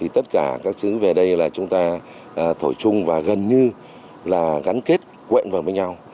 tất cả các thứ về đây là chúng ta thổi chung và gần như là gắn kết quận vào với nhau